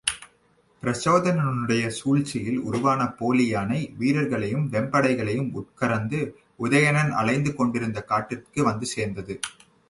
பிரச்சோதனனுடைய சூழ்ச்சியில் உருவானப் போலி யானை, வீரர்களையும் வெம்படைகளையும் உட்கரந்து உதயணன் அலைந்து கொண்டிருந்த காட்டிற்கு வந்து சேர்ந்தது.